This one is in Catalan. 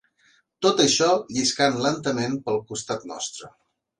Tot això lliscant lentament pel costat nostre